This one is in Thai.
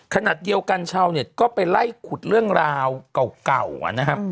ขณะเดียวกันเช้าก็ไปไล่ขุดเรื่องราวก่วว์ก่าวอ่ะนะฮะ